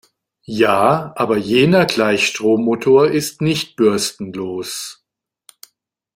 Ja, aber jener Gleichstrommotor ist nicht bürstenlos.